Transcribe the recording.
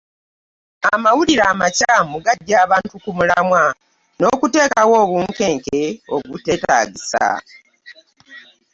Amawulire amakyamu gaggya abantu ku mulamwa n'okuteekawo obunkenke obuteetaagisa.